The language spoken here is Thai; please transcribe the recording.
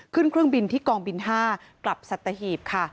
เครื่องบินที่กองบิน๕กลับสัตหีบค่ะ